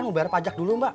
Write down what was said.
mau bayar pajak dulu mbak